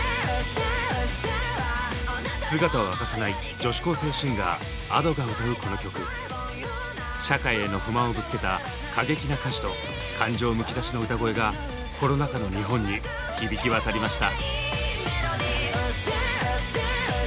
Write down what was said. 姿を明かさない女子高生シンガーＡｄｏが歌うこの曲社会への不満をぶつけた過激な歌詞と感情むき出しの歌声がコロナ禍の日本に響きわたりました。